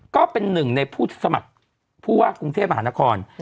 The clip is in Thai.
ก็เป็นหนึ่งในผู้สมัครผู้ว่ากรุงเทพมหานคร